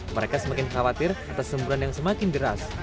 mereka semakin khawatir atas semburan yang semakin deras